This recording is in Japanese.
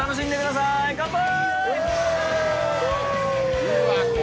乾杯！